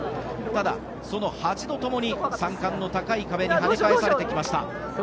ただ、その８度とともに３冠の高い壁に跳ね返されてきました。